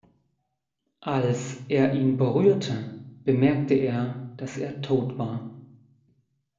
Als er ihn berührte, bemerkte er, dass er tot war.